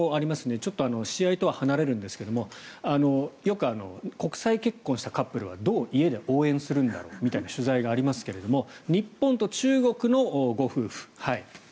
ちょっと試合とは離れますがよく国際結婚したカップルはどう家で応援するんだろうみたいな取材がありますが日本と中国のご夫婦。